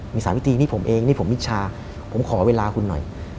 มี๓วิธีนี่ผมเองนี่ผมวิชาผมขอเวลาคุณหน่อย